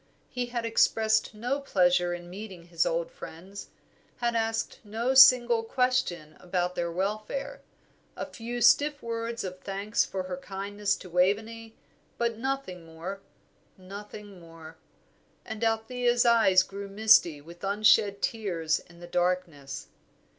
He had expressed no pleasure in meeting his old friends, had asked no single question about their welfare. A few stiff words of thanks for her kindness to Waveney, but nothing more, nothing more; and Althea's eyes grew misty with unshed tears in the darkness.